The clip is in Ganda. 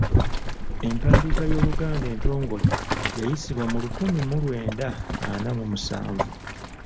Empandiika y’Oluganda entongole yayisibwa mu lukumi mu lwenda ana mu musanvu.